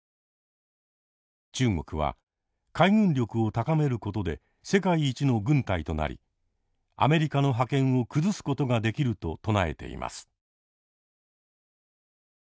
中国は海軍力を高めることで世界一の軍隊となりアメリカの覇権を崩すことができると唱えています。